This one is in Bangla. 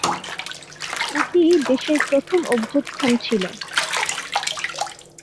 এটি দেশের প্রথম অভ্যুত্থান ছিল।